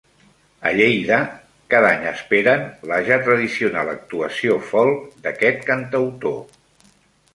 A Lleida cada any esperen la ja tradicional actuació folk d'aquest cantautor.